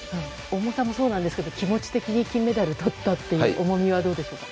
重さもそうなんですけど気持ち的に金メダルとったという重みはどうでしょうか？